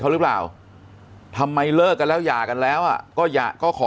เขาหรือเปล่าทำไมเลิกกันแล้วหย่ากันแล้วก็อยากก็ขอ